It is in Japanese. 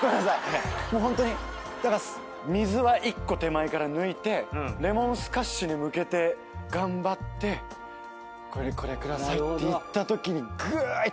ホントにだから水は１個手前から抜いてレモンスカッシュに向けて頑張ってこれ下さいって言ったときにぐーっ！